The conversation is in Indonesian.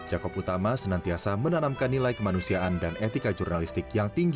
jakob utama senantiasa menanamkan nilai kemanusiaan dan etika jurnalistik yang tinggi